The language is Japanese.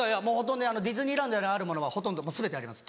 ディズニーランドにあるものはほとんど全てあります。